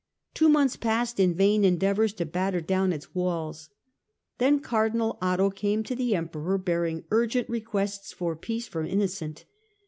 Two months passed in vain en deavours to batter down its walls. Then Cardinal Otho came to the Emperor, bearing urgent requests for peace from Innocent.